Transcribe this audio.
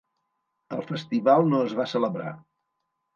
El festival no es va celebrar.